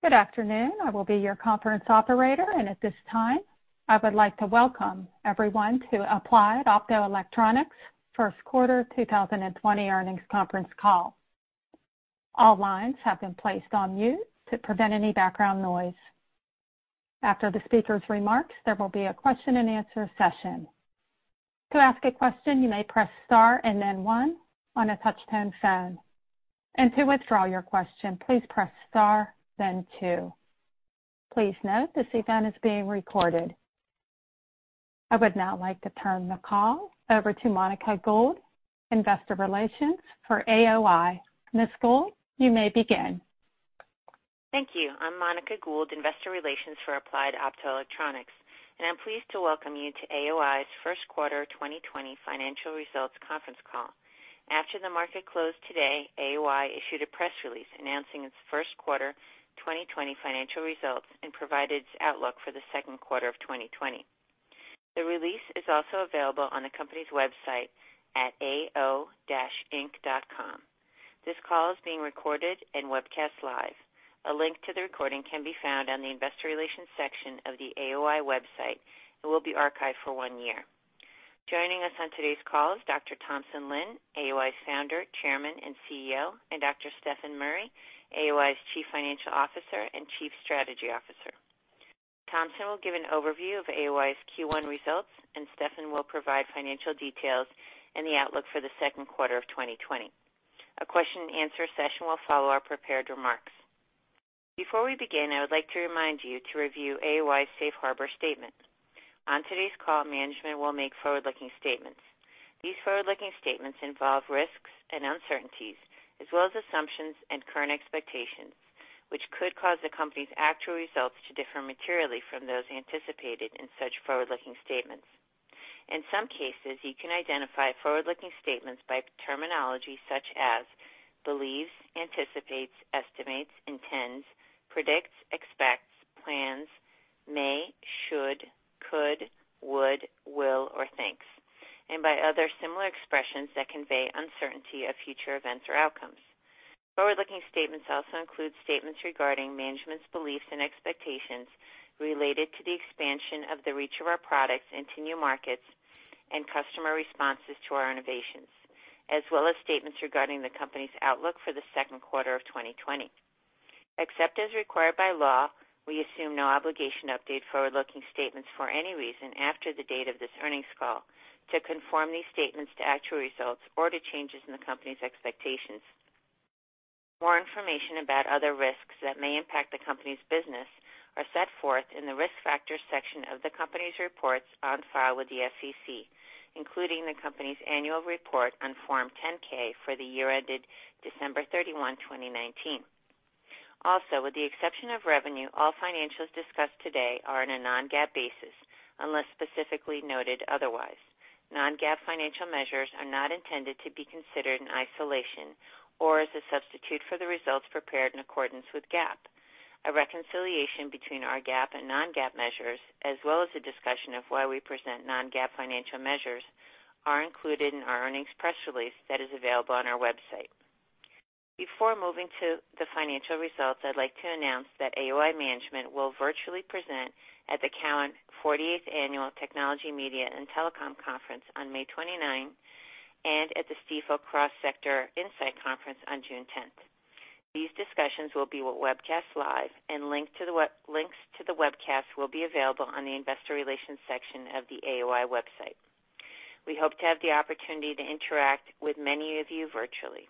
Good afternoon. I will be your conference operator. At this time, I would like to welcome everyone to Applied Optoelectronics first quarter 2020 earnings conference call. All lines have been placed on mute to prevent any background noise. After the speaker's remarks, there will be a question and answer session. To ask a question, you may press star and then one on a touch-tone phone. To withdraw your question, please press star, then two. Please note, this event is being recorded. I would now like to turn the call over to Monica Gould, investor relations for AOI. Ms. Gould, you may begin. Thank you. I'm Monica Gould, investor relations for Applied Optoelectronics, and I'm pleased to welcome you to AOI's first quarter 2020 financial results conference call. After the market closed today, AOI issued a press release announcing its first quarter 2020 financial results and provided its outlook for the second quarter of 2020. The release is also available on the company's website at ao-inc.com. This call is being recorded and webcast live. A link to the recording can be found on the investor relations section of the AOI website and will be archived for one year. Joining us on today's call is Dr. Thompson Lin, AOI's founder, chairman, and CEO, and Dr. Stefan Murry, AOI's chief financial officer and chief strategy officer. Thompson will give an overview of AOI's Q1 results, and Stefan will provide financial details and the outlook for the second quarter of 2020. A question and answer session will follow our prepared remarks. Before we begin, I would like to remind you to review AOI's Safe Harbor statement. On today's call, management will make forward-looking statements. These forward-looking statements involve risks and uncertainties, as well as assumptions and current expectations, which could cause the company's actual results to differ materially from those anticipated in such forward-looking statements. In some cases, you can identify forward-looking statements by terminology such as believes, anticipates, estimates, intends, predicts, expects, plans, may, should, could, would, will, or thinks, and by other similar expressions that convey uncertainty of future events or outcomes. Forward-looking statements also include statements regarding management's beliefs and expectations related to the expansion of the reach of our products into new markets and customer responses to our innovations, as well as statements regarding the company's outlook for the second quarter of 2020. Except as required by law, we assume no obligation to update forward-looking statements for any reason after the date of this earnings call to conform these statements to actual results or to changes in the company's expectations. More information about other risks that may impact the company's business are set forth in the Risk Factors section of the company's reports on file with the SEC, including the company's annual report on Form 10-K for the year ended December 31, 2019. Also, with the exception of revenue, all financials discussed today are on a non-GAAP basis unless specifically noted otherwise. Non-GAAP financial measures are not intended to be considered in isolation or as a substitute for the results prepared in accordance with GAAP. A reconciliation between our GAAP and non-GAAP measures, as well as a discussion of why we present non-GAAP financial measures, are included in our earnings press release that is available on our website. Before moving to the financial results, I'd like to announce that AOI management will virtually present at the Cowen 48th Annual Technology, Media and Telecom Conference on May 29th and at the Stifel Cross Sector Insight Conference on June 10th. These discussions will be webcast live, and links to the webcast will be available on the investor relations section of the AOI website. We hope to have the opportunity to interact with many of you virtually.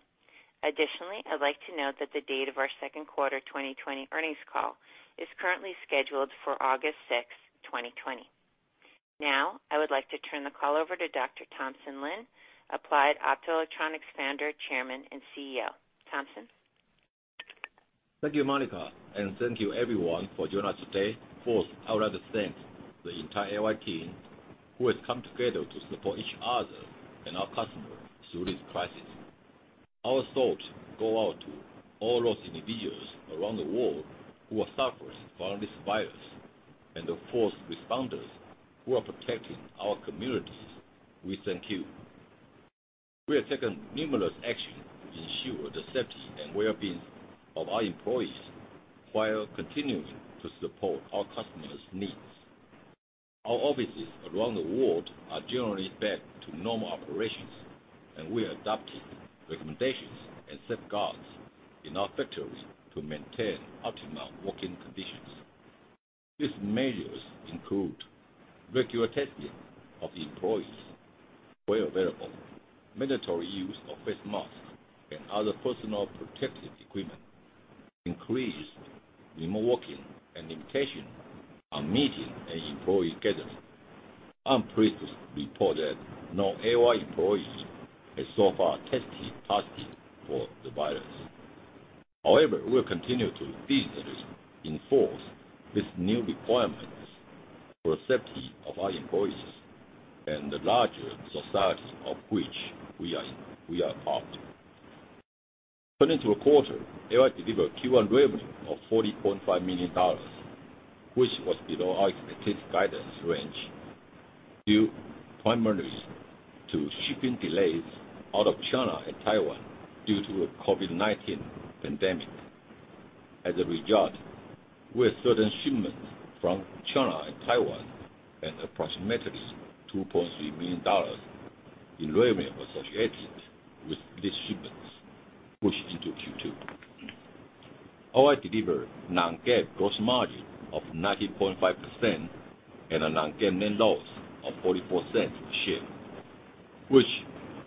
Additionally, I'd like to note that the date of our second quarter 2020 earnings call is currently scheduled for August 6, 2020. Now, I would like to turn the call over to Dr. Thompson Lin, Applied Optoelectronics Founder, Chairman, and CEO. Thompson? Thank you, Monica, and thank you everyone for joining us today. First, I would like to thank the entire AOI team who has come together to support each other and our customers through this crisis. Our thoughts go out to all those individuals around the world who are suffering from this virus and the first responders who are protecting our communities. We thank you. We have taken numerous actions to ensure the safety and well being of our employees while continuing to support our customers' needs. Our offices around the world are generally back to normal operations, and we are adopting recommendations and safeguards in our factories to maintain optimal working conditions. These measures include regular testing of employees where available, mandatory use of face masks, and other personal protective equipment, increased remote working, and limitations on meetings and employee gatherings. I'm pleased to report that no AOI employee has so far tested positive for the virus. We'll continue to vigorously enforce these new requirements for the safety of our employees and the larger society of which we are a part. Turning to the quarter, AOI delivered Q1 revenue of $40.5 million, which was below our expected guidance range. Due primarily to shipping delays out of China and Taiwan due to the COVID-19 pandemic. We have certain shipments from China and Taiwan and approximately $2.3 million in revenue associated with these shipments pushed into Q2. AOI delivered non-GAAP gross margin of 19.5% and a non-GAAP net loss of $0.44 a share, which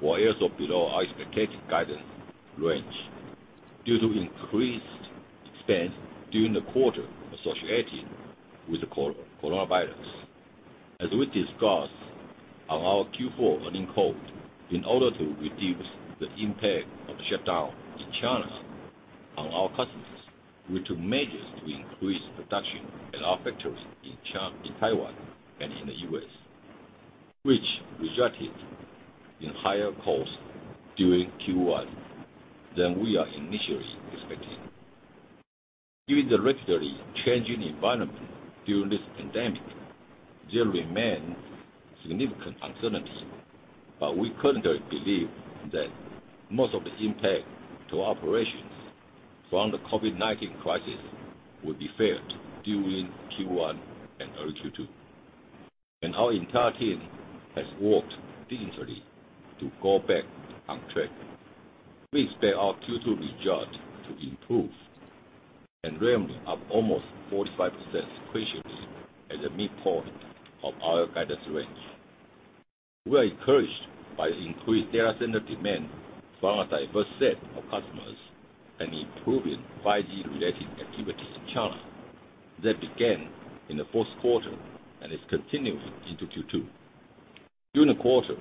were also below our expected guidance range due to increased expense during the quarter associated with the coronavirus. As we discussed on our Q4 earnings call, in order to reduce the impact of shutdown in China on our customers, we took measures to increase production at our factories in Taiwan and in the U.S., which resulted in higher costs during Q1 than we are initially expecting. Given the rapidly changing environment during this pandemic, there remains significant uncertainty, but we currently believe that most of the impact to our operations from the COVID-19 crisis will be felt during Q1 and early Q2. Our entire team has worked diligently to go back on track. We expect our Q2 results to improve and revenue up almost 45% sequentially at the midpoint of our guidance range. We are encouraged by the increased data center demand from a diverse set of customers and improving 5G-related activities in China that began in the fourth quarter and is continuing into Q2. During the quarter,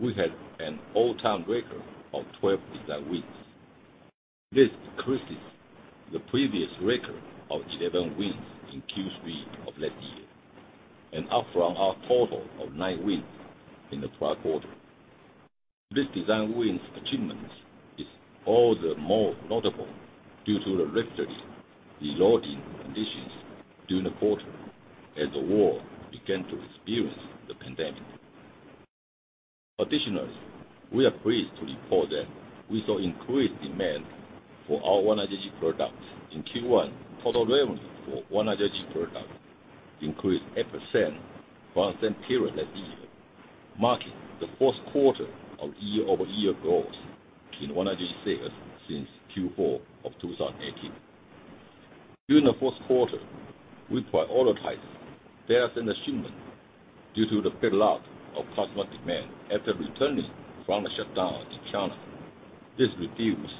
we had an all-time record of 12 design wins. This eclipses the previous record of 11 wins in Q3 of last year, and up from our total of nine wins in the prior quarter. This design wins achievement is all the more notable due to the rapidly evolving conditions during the quarter as the world began to experience the pandemic. Additionally, we are pleased to report that we saw increased demand for our 100G products in Q1. Total revenue for 100G products increased 8% from the same period last year, marking the fourth quarter of year-over-year growth in 100G sales since Q4 of 2018. During the fourth quarter, we prioritized data center shipments due to the build-up of customer demand after returning from the shutdown in China. This reduced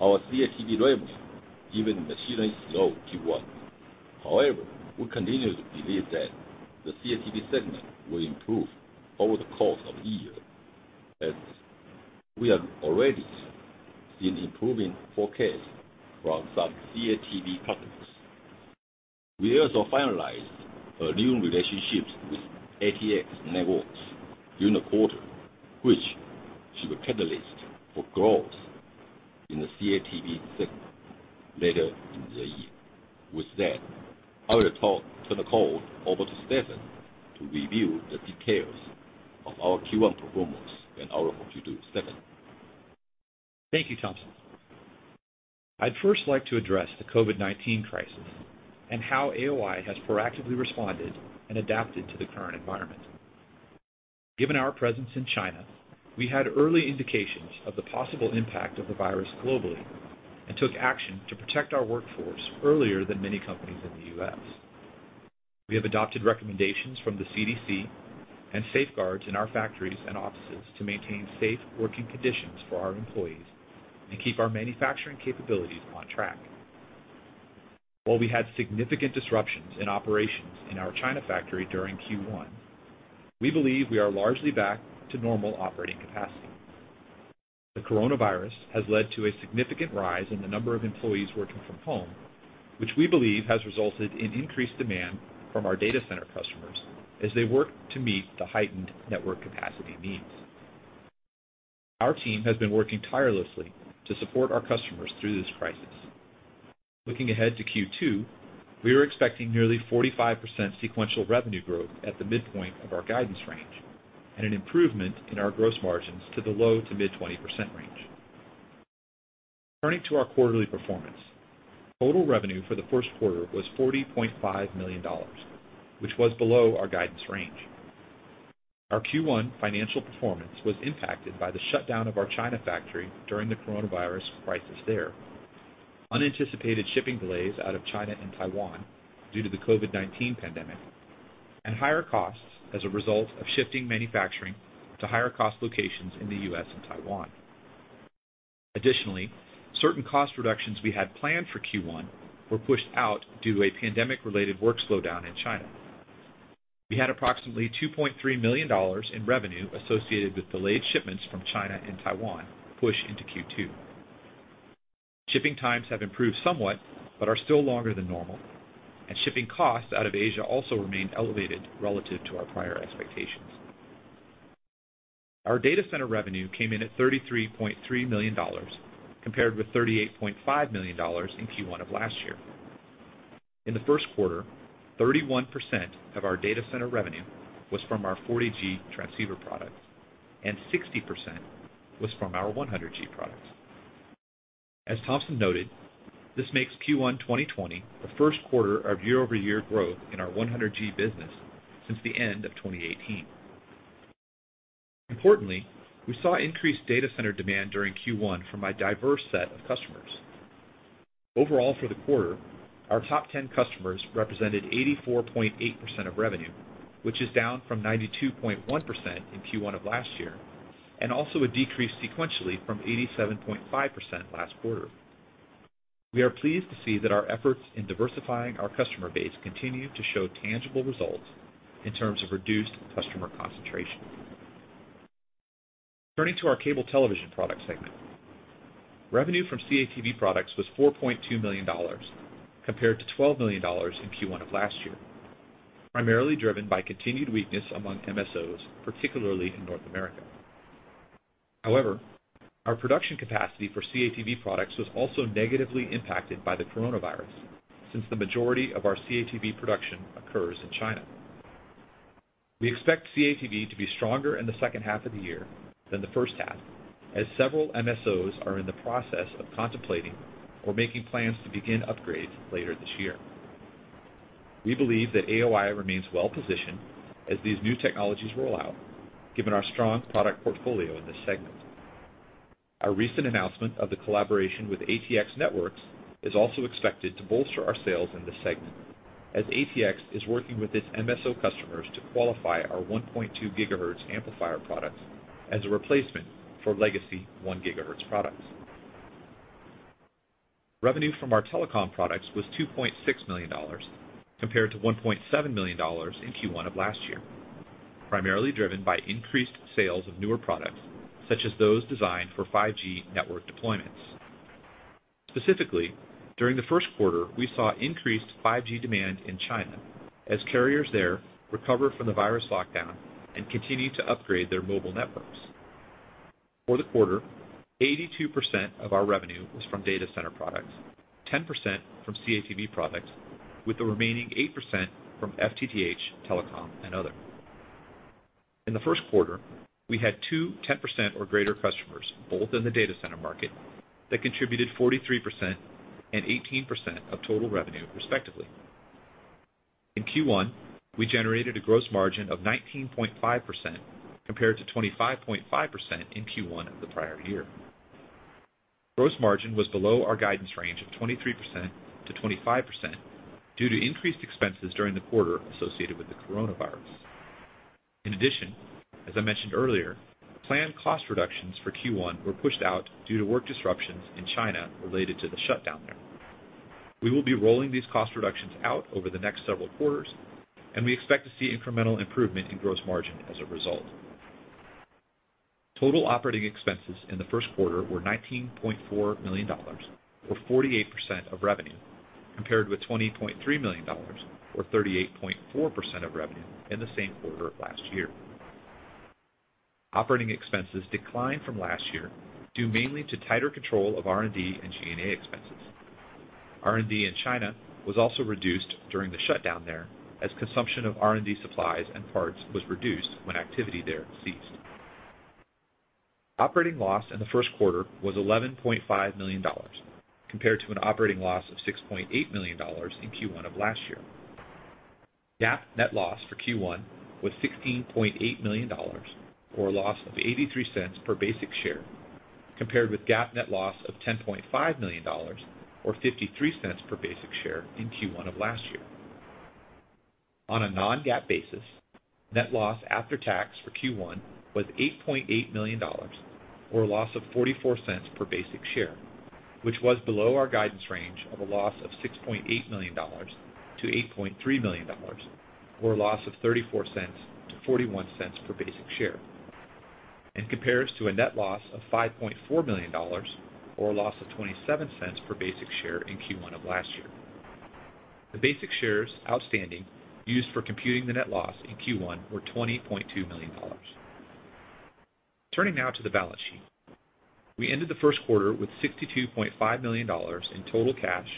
our CATV revenue, giving a sequential Q1. However, we continue to believe that the CATV segment will improve over the course of the year as we have already seen improving forecasts from some CATV partners. We also finalized a new relationship with ATX Networks during the quarter, which should catalyze growth in the CATV segment later in the year. With that, I will turn the call over to Stefan to review the details of our Q1 performance and outlook. Stefan? Thank you, Thompson. I'd first like to address the COVID-19 crisis and how AOI has proactively responded and adapted to the current environment. Given our presence in China, we had early indications of the possible impact of the virus globally and took action to protect our workforce earlier than many companies in the U.S.. We have adopted recommendations from the CDC and safeguards in our factories and offices to maintain safe working conditions for our employees and keep our manufacturing capabilities on track. While we had significant disruptions in operations in our China factory during Q1, we believe we are largely back to normal operating capacity. The coronavirus has led to a significant rise in the number of employees working from home, which we believe has resulted in increased demand from our data center customers as they work to meet the heightened network capacity needs. Our team has been working tirelessly to support our customers through this crisis. Looking ahead to Q2, we are expecting nearly 45% sequential revenue growth at the midpoint of our guidance range and an improvement in our gross margins to the low to mid 20% range. Turning to our quarterly performance, total revenue for the first quarter was $40.5 million, which was below our guidance range. Our Q1 financial performance was impacted by the shutdown of our China factory during the coronavirus crisis there. Unanticipated shipping delays out of China and Taiwan due to the COVID-19 pandemic and higher costs as a result of shifting manufacturing to higher cost locations in the U.S. and Taiwan. Additionally, certain cost reductions we had planned for Q1 were pushed out due to a pandemic-related work slowdown in China. We had approximately $2.3 million in revenue associated with delayed shipments from China and Taiwan push into Q2. Shipping times have improved somewhat, but are still longer than normal, and shipping costs out of Asia also remain elevated relative to our prior expectations. Our data center revenue came in at $33.3 million compared with $38.5 million in Q1 of last year. In the first quarter, 31% of our data center revenue was from our 40G transceiver products, and 60% was from our 100G products. As Thompson noted, this makes Q1 2020 the first quarter of year-over-year growth in our 100G business since the end of 2018. Importantly, we saw increased data center demand during Q1 from a diverse set of customers. Overall for the quarter, our top 10 customers represented 84.8% of revenue, which is down from 92.1% in Q1 of last year, and also a decrease sequentially from 87.5% last quarter. We are pleased to see that our efforts in diversifying our customer base continue to show tangible results in terms of reduced customer concentration. Turning to our cable television product segment. Revenue from CATV products was $4.2 million compared to $12 million in Q1 of last year, primarily driven by continued weakness among MSOs, particularly in North America. Our production capacity for CATV products was also negatively impacted by the coronavirus, since the majority of our CATV production occurs in China. We expect CATV to be stronger in the second half of the year than the first half, as several MSOs are in the process of contemplating or making plans to begin upgrades later this year. We believe that AOI remains well-positioned as these new technologies roll out, given our strong product portfolio in this segment. Our recent announcement of the collaboration with ATX Networks is also expected to bolster our sales in this segment, as ATX is working with its MSO customers to qualify our 1.2 gigahertz amplifier products as a replacement for legacy one gigahertz products. Revenue from our telecom products was $2.6 million, compared to $1.7 million in Q1 of last year, primarily driven by increased sales of newer products, such as those designed for 5G network deployments. Specifically, during the first quarter, we saw increased 5G demand in China as carriers there recover from the virus lockdown and continue to upgrade their mobile networks. For the quarter, 82% of our revenue was from data center products, 10% from CATV products, with the remaining 8% from FTTH, telecom, and other. In the first quarter, we had two 10% or greater customers, both in the data center market, that contributed 43% and 18% of total revenue, respectively. In Q1, we generated a gross margin of 19.5% compared to 25.5% in Q1 of the prior year. Gross margin was below our guidance range of 23%-25% due to increased expenses during the quarter associated with the coronavirus. In addition, as I mentioned earlier, planned cost reductions for Q1 were pushed out due to work disruptions in China related to the shutdown there. We will be rolling these cost reductions out over the next several quarters, and we expect to see incremental improvement in gross margin as a result. Total operating expenses in the first quarter were $19.4 million, or 48% of revenue, compared with $20.3 million, or 38.4% of revenue in the same quarter of last year. Operating expenses declined from last year due mainly to tighter control of R&D and G&A expenses. R&D in China was also reduced during the shutdown there, as consumption of R&D supplies and parts was reduced when activity there ceased. Operating loss in the first quarter was $11.5 million, compared to an operating loss of $6.8 million in Q1 of last year. GAAP net loss for Q1 was $16.8 million, or a loss of $0.83 per basic share, compared with GAAP net loss of $10.5 million, or $0.53 per basic share in Q1 of last year. On a non-GAAP basis, net loss after tax for Q1 was $8.8 million, or a loss of $0.44 per basic share, which was below our guidance range of a loss of $6.8 million-$8.3 million, or a loss of $0.34-$0.41 per basic share, and compares to a net loss of $5.4 million, or a loss of $0.27 per basic share in Q1 of last year. The basic shares outstanding used for computing the net loss in Q1 were $20.2 million. Turning now to the balance sheet. We ended the first quarter with $62.5 million in total cash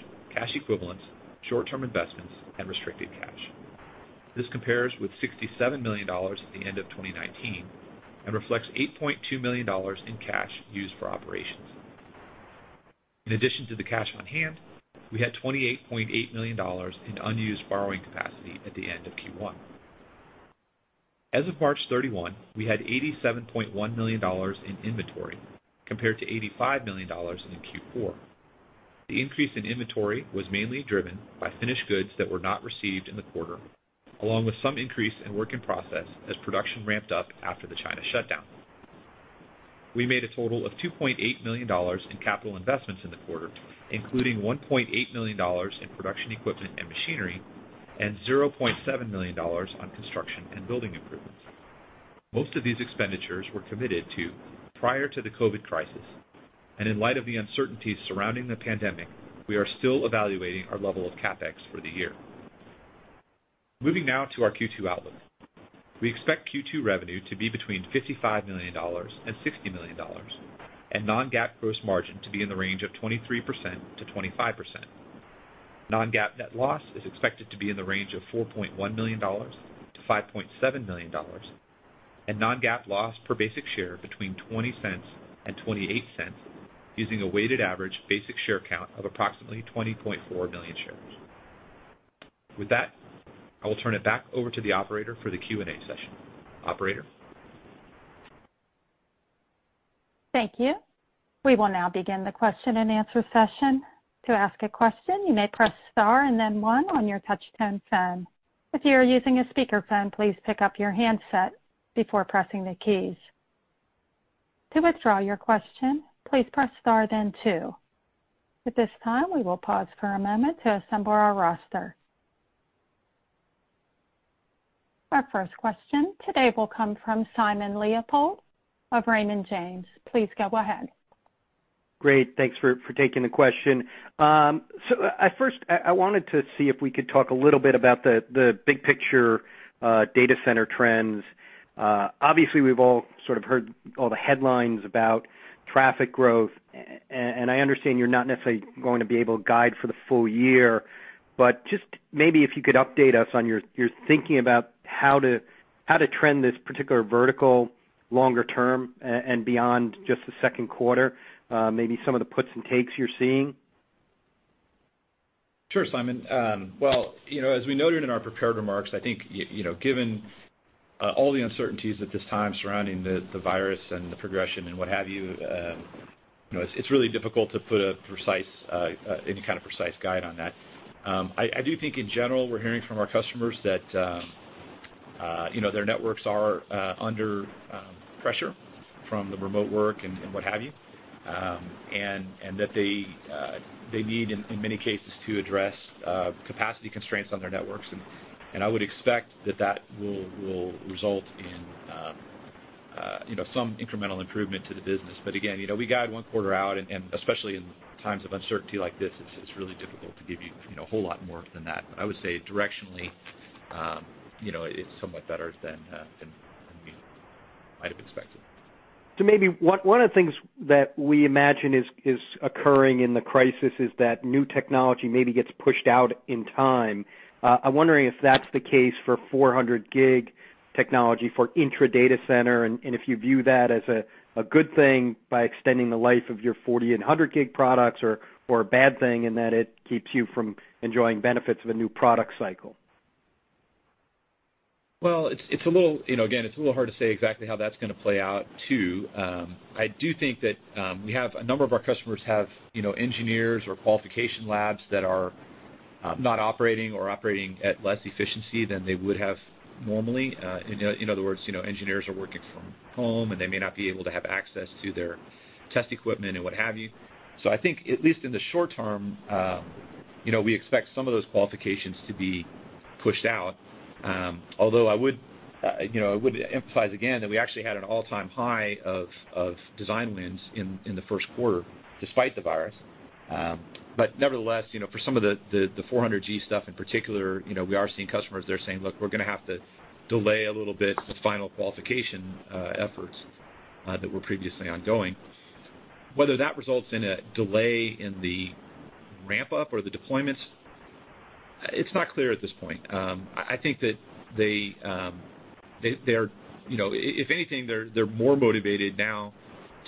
equivalents, short-term investments, and restricted cash. This compares with $67 million at the end of 2019 and reflects $8.2 million in cash used for operations. In addition to the cash on hand, we had $28.8 million in unused borrowing capacity at the end of Q1. As of March 31, we had $87.1 million in inventory, compared to $85 million in Q4. The increase in inventory was mainly driven by finished goods that were not received in the quarter, along with some increase in work in process as production ramped up after the China shutdown. We made a total of $2.8 million in capital investments in the quarter, including $1.8 million in production equipment and machinery and $0.7 million on construction and building improvements. Most of these expenditures were committed to prior to the COVID crisis. In light of the uncertainty surrounding the pandemic, we are still evaluating our level of CapEx for the year. Moving now to our Q2 outlook. We expect Q2 revenue to be between $55 million and $60 million, and non-GAAP gross margin to be in the range of 23%-25%. Non-GAAP net loss is expected to be in the range of $4.1 million-$5.7 million, and non-GAAP loss per basic share between $0.20 and $0.28, using a weighted average basic share count of approximately 20.4 million shares. With that, I will turn it back over to the operator for the Q&A session. Operator? Thank you. We will now begin the question and answer session. To ask a question, you may press star and then one on your touch-tone phone. If you are using a speakerphone, please pick up your handset before pressing the keys. To withdraw your question, please press star then two. At this time, we will pause for a moment to assemble our roster. Our first question today will come from Simon Leopold of Raymond James. Please go ahead. Great. Thanks for taking the question. At first, I wanted to see if we could talk a little bit about the big picture data center trends. Obviously, we've all heard all the headlines about traffic growth, and I understand you're not necessarily going to be able to guide for the full year, but just maybe if you could update us on your thinking about how to trend this particular vertical longer term and beyond just the second quarter, maybe some of the puts and takes you're seeing. Sure, Simon. Well, as we noted in our prepared remarks, I think, given all the uncertainties at this time surrounding the virus and the progression and what have you, it's really difficult to put any kind of precise guide on that. I do think in general, we're hearing from our customers that their networks are under pressure from the remote work and what have you, and that they need, in many cases, to address capacity constraints on their networks. I would expect that that will result in some incremental improvement to the business. Again, we guide one quarter out, and especially in times of uncertainty like this, it's really difficult to give you a whole lot more than that. I would say directionally, it's somewhat better than we might have expected. Maybe one of the things that we imagine is occurring in the crisis is that new technology maybe gets pushed out in time. I'm wondering if that's the case for 400G technology for intra-data center, and if you view that as a good thing by extending the life of your 40G and 100G products or a bad thing, and that it keeps you from enjoying benefits of a new product cycle. Well, again, it's a little hard to say exactly how that's going to play out, too. I do think that a number of our customers have engineers or qualification labs that are not operating or operating at less efficiency than they would have normally. In other words, engineers are working from home, and they may not be able to have access to their test equipment and what have you. I think, at least in the short term we expect some of those qualifications to be pushed out, although I would emphasize again that we actually had an all-time high of design wins in the first quarter, despite the virus. Nevertheless, for some of the 400G stuff in particular, we are seeing customers, they're saying, "Look, we're going to have to delay a little bit the final qualification efforts that were previously ongoing." Whether that results in a delay in the ramp-up or the deployments, it's not clear at this point. I think that if anything, they're more motivated now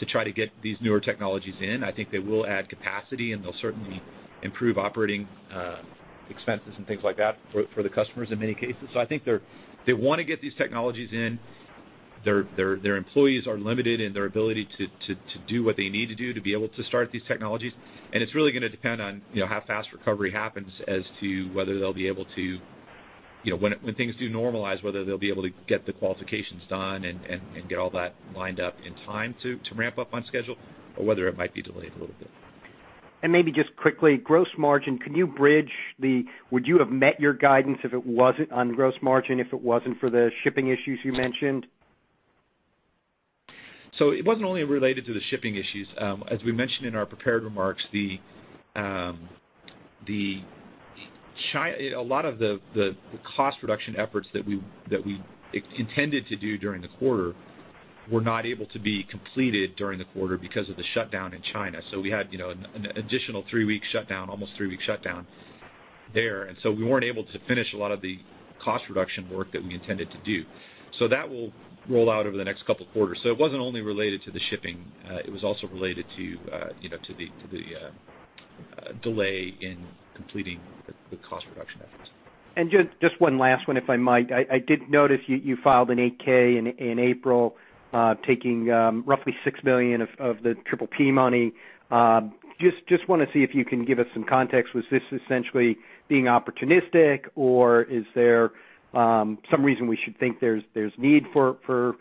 to try to get these newer technologies in. I think they will add capacity, and they'll certainly improve operating expenses and things like that for the customers in many cases. I think they want to get these technologies in. Their employees are limited in their ability to do what they need to do to be able to start these technologies, and it's really going to depend on how fast recovery happens as to when things do normalize, whether they'll be able to get the qualifications done and get all that lined up in time to ramp up on schedule or whether it might be delayed a little bit. maybe just quickly, gross margin, would you have met your guidance if it wasn't on gross margin, if it wasn't for the shipping issues you mentioned? It wasn't only related to the shipping issues. As we mentioned in our prepared remarks, a lot of the cost reduction efforts that we intended to do during the quarter were not able to be completed during the quarter because of the shutdown in China. We had an additional almost three-week shutdown there. We weren't able to finish a lot of the cost reduction work that we intended to do. That will roll out over the next couple of quarters. It wasn't only related to the shipping, it was also related to the delay in completing the cost reduction efforts. Just one last one, if I might. I did notice you filed an 8-K in April, taking roughly $6 million of the PPP money. I just want to see if you can give us some context. Was this essentially being opportunistic, or is there some reason we should think there's need for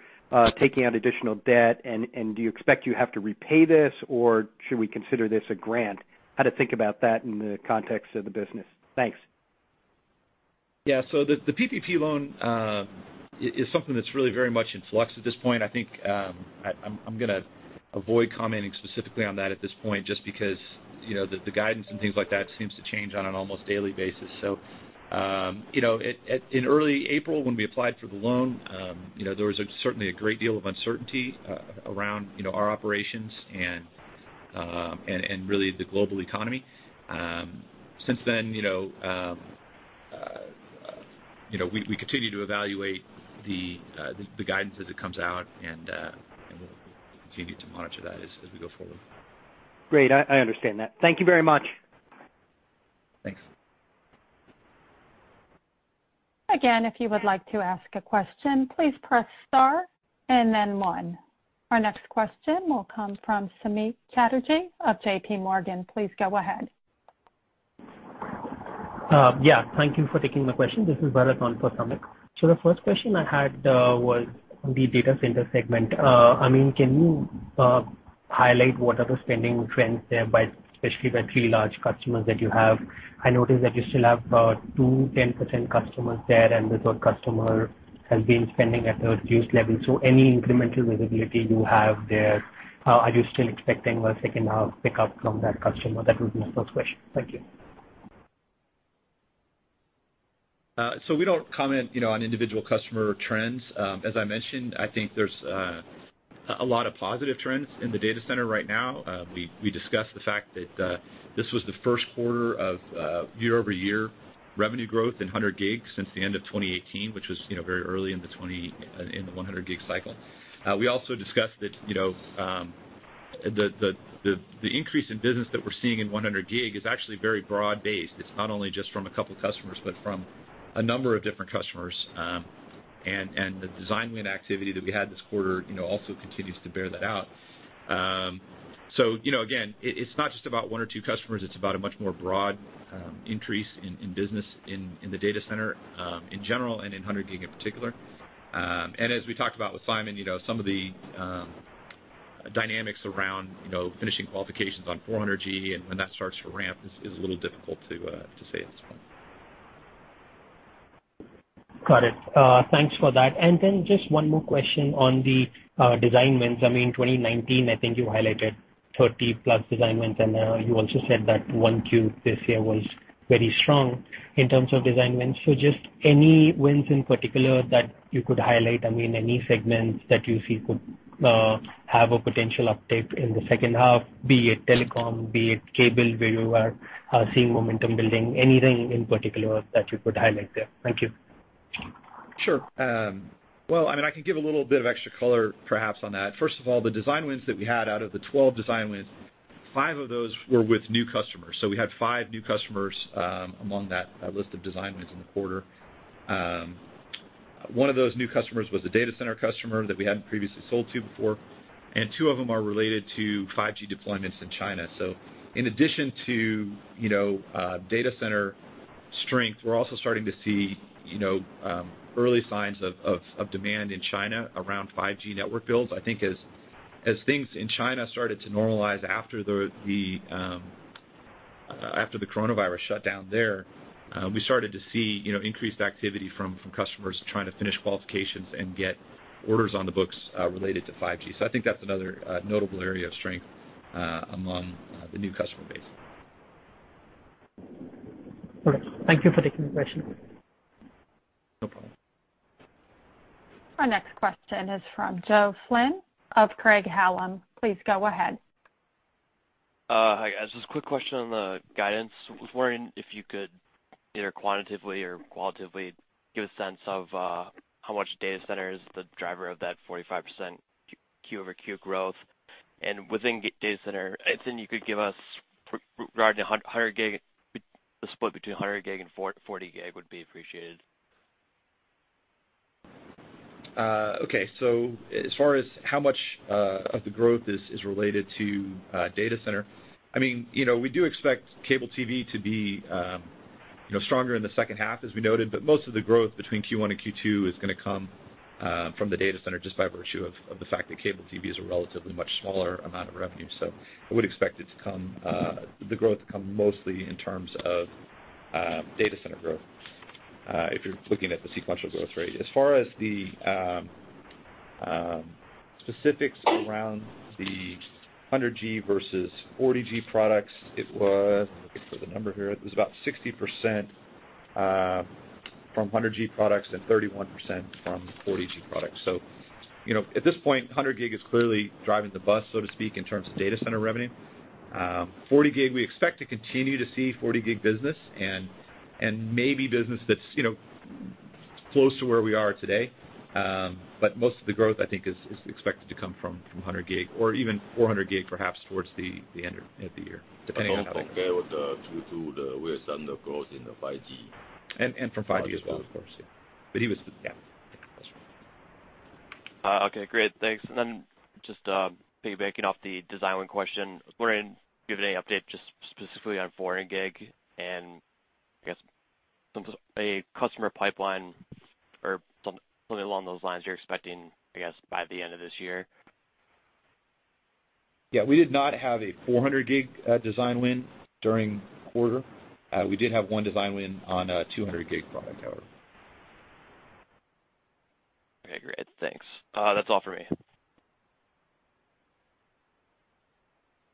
taking on additional debt, and do you expect you have to repay this, or should we consider this a grant? How to think about that in the context of the business. Thanks. The PPP loan. It's something that's really very much in flux at this point. I think I'm going to avoid commenting specifically on that at this point, just because the guidance and things like that seems to change on an almost daily basis. In early April, when we applied for the loan, there was certainly a great deal of uncertainty around our operations and really the global economy. Since then, we continue to evaluate the guidance as it comes out, and we'll continue to monitor that as we go forward. Great. I understand that. Thank you very much. Thanks. Again, if you would like to ask a question, please press star and then one. Our next question will come from Samik Chatterjee of J.P. Morgan. Please go ahead. Yeah, thank you for taking the question. This is Barton for Samik. The first question I had was on the data center segment. I mean, can you highlight what are the spending trends there by especially the three large customers that you have? I noticed that you still have two 10% customers there, and the third customer has been spending at a reduced level. Any incremental visibility you have there, are you still expecting a second half pick up from that customer? That would be my first question. Thank you. We don't comment on individual customer trends. As I mentioned, I think there's a lot of positive trends in the data center right now. We discussed the fact that this was the first quarter of year-over-year revenue growth in 100G since the end of 2018, which was very early in the 100G cycle. We also discussed that the increase in business that we're seeing in 100G is actually very broad based. It's not only just from a couple customers, but from a number of different customers. The design win activity that we had this quarter also continues to bear that out. Again, it's not just about one or two customers, it's about a much more broad increase in business in the data center, in general, and in 100G in particular. As we talked about with Simon, some of the dynamics around finishing qualifications on 400G and when that starts to ramp is a little difficult to say at this point. Got it. Thanks for that. Just one more question on the design wins. I mean, 2019, I think you highlighted 30+ design wins. You also said that 1Q this year was very strong in terms of design wins. Just any wins in particular that you could highlight, any segments that you see could have a potential uptake in the second half, be it telecom, be it cable, where you are seeing momentum building, anything in particular that you could highlight there? Thank you. Sure. Well, I can give a little bit of extra color perhaps on that. First of all, the design wins that we had out of the 12 design wins, five of those were with new customers. We had five new customers among that list of design wins in the quarter. One of those new customers was a data center customer that we hadn't previously sold to before, and two of them are related to 5G deployments in China. In addition to data center strength, we're also starting to see early signs of demand in China around 5G network builds. I think as things in China started to normalize after the coronavirus shutdown there, we started to see increased activity from customers trying to finish qualifications and get orders on the books related to 5G. I think that's another notable area of strength among the new customer base. Okay. Thank you for taking the question. No problem. Our next question is from Joe Flynn of Craig-Hallum. Please go ahead. Hi, guys. Just a quick question on the guidance. I was wondering if you could either quantitatively or qualitatively give a sense of how much data center is the driver of that 45% Q-over-Q growth. Within data center, if you could give us regarding the split between 100G and 40G would be appreciated. As far as how much of the growth is related to data center, we do expect cable TV to be stronger in the second half, as we noted. Most of the growth between Q1 and Q2 is going to come from the data center just by virtue of the fact that cable TV is a relatively much smaller amount of revenue. I would expect the growth to come mostly in terms of data center growth, if you're looking at the sequential growth rate. As far as the specifics around the 100G versus 40G products, I'm looking for the number here. It was about 60% from 100G products and 31% from 40G products. At this point, 100G is clearly driving the bus, so to speak, in terms of data center revenue. 40G, we expect to continue to see 40G business and maybe business that's close to where we are today. But most of the growth, I think, is expected to come from 100G or even 400G perhaps towards the end of the year, depending on how things go. I think compared due to the western growth in the 5G. From 5G as well, of course. Yeah. Yeah. I think that's right. Okay, great. Thanks. Just piggybacking off the design win question, were you given any update just specifically on 400G and I guess a customer pipeline or something along those lines you're expecting, I guess, by the end of this year? Yeah, we did not have a 400G design win during the quarter. We did have one design win on a 200G product, however. Okay, great. Thanks. That's all for me.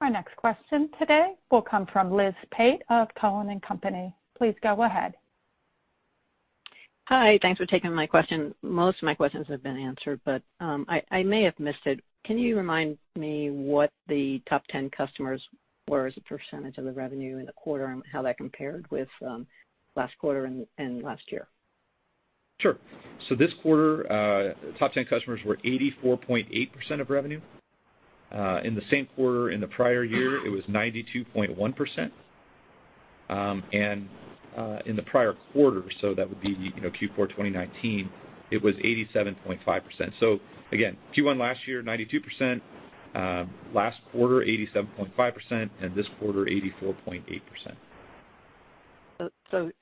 Our next question today will come from Liz Pate of Cowen and Company. Please go ahead. Hi. Thanks for taking my question. Most of my questions have been answered, but I may have missed it. Can you remind me what the top 10 customers were as a % of the revenue in the quarter, and how that compared with last quarter and last year? Sure. This quarter, top 10 customers were 84.8% of revenue. In the same quarter in the prior year, it was 92.1%. In the prior quarter, so that would be Q4 2019, it was 87.5%. Again, Q1 last year, 92%, last quarter, 87.5%, and this quarter, 84.8%.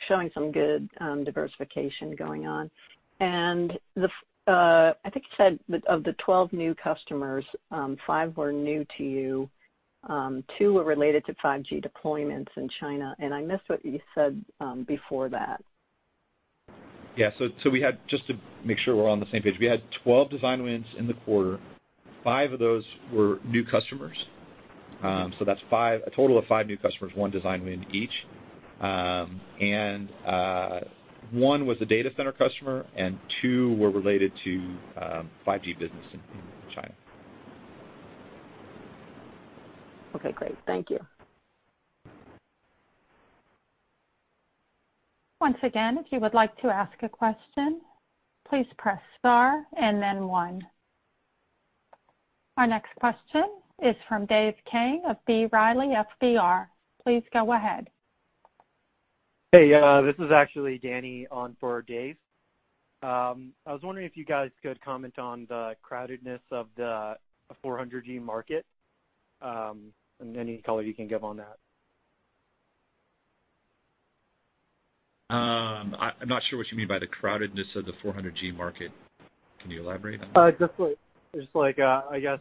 Showing some good diversification going on. I think you said of the 12 new customers, five were new to you. Two were related to 5G deployments in China, and I missed what you said before that. Yeah. Just to make sure we're on the same page, we had 12 design wins in the quarter. five of those were new customers. That's a total of five new customers, one design win each. one was a data center customer, and two were related to 5G business in China. Okay, great. Thank you. Once again, if you would like to ask a question, please press star and then one. Our next question is from Dave Kang of B. Riley FBR. Please go ahead. Hey, this is actually Danny on for Dave. I was wondering if you guys could comment on the crowdedness of the 400G market, and any color you can give on that. I'm not sure what you mean by the crowdedness of the 400G market. Can you elaborate on that? Just like, I guess,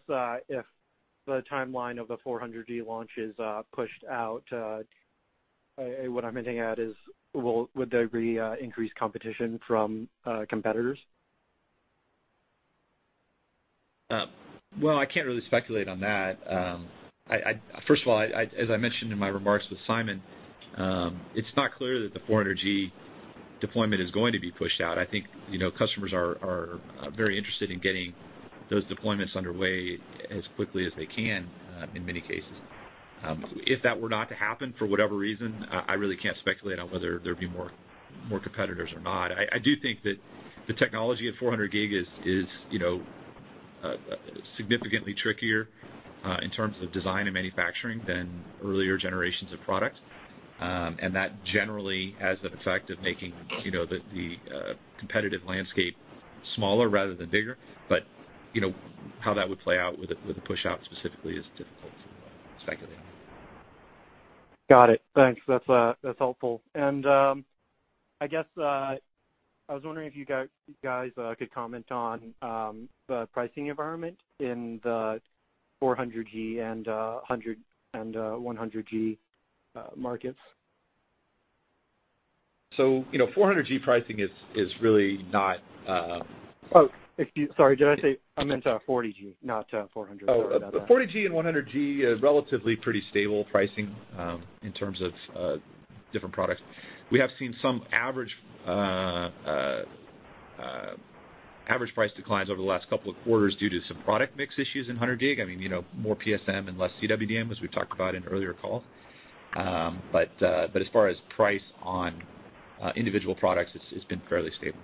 if the timeline of the 400G launch is pushed out, what I'm hinting at is would there be increased competition from competitors? Well, I can't really speculate on that. First of all, as I mentioned in my remarks with Simon, it's not clear that the 400G deployment is going to be pushed out. I think customers are very interested in getting those deployments underway as quickly as they can in many cases. If that were not to happen, for whatever reason, I really can't speculate on whether there'd be more competitors or not. I do think that the technology of 400G is significantly trickier in terms of design and manufacturing than earlier generations of products. That generally has the effect of making the competitive landscape smaller rather than bigger, but how that would play out with a push-out specifically is difficult to speculate on. Got it. Thanks. That's helpful. I guess I was wondering if you guys could comment on the pricing environment in the 400G and 100G markets. 400G pricing is really not. Oh, excuse me. Sorry. I meant 40G, not 400. Sorry about that. Oh. 40G and 100G are relatively pretty stable pricing in terms of different products. We have seen some average price declines over the last couple of quarters due to some product mix issues in 100G. More PSM and less CWDM, as we've talked about in earlier calls. But as far as price on individual products, it's been fairly stable.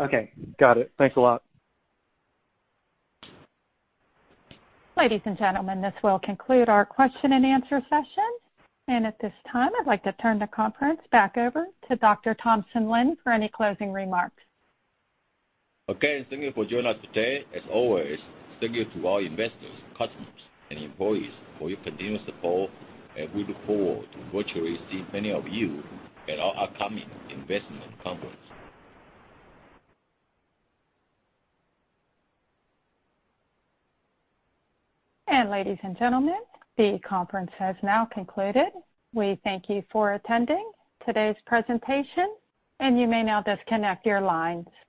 Okay. Got it. Thanks a lot. Ladies and gentlemen, this will conclude our question and answer session. At this time, I'd like to turn the conference back over to Dr. Thompson Lin for any closing remarks. Again, thank you for joining us today. As always, thank you to all investors, customers, and employees for your continued support, and we look forward to virtually seeing many of you at our upcoming investment conference. Ladies and gentlemen, the conference has now concluded. We thank you for attending today's presentation, and you may now disconnect your lines.